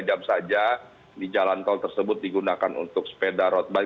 tiga jam saja di jalan tol tersebut digunakan untuk sepeda road bike